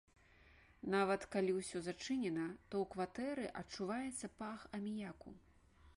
Нават, калі ўсё зачынена, то ў кватэры адчуваецца пах аміяку.